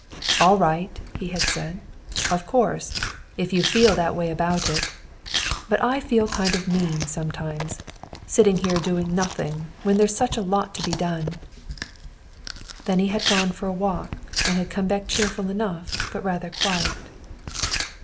"All right," he had said. "Of course, if you feel that way about it ! But I feel kind of mean, sometimes, sitting here doing nothing when there's such a lot to be done." Then he had gone for a walk and had come back cheerful enough but rather quiet.